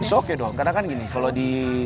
masih oke dong karena kan gini kalau di